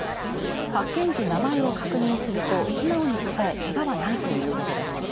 発見時、名前を確認すると、素直に答え、けがはないということです。